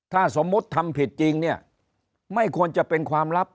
ถ้าสมมุติทำผิดจริงเนี่ยไม่ควรจะเป็นความลับ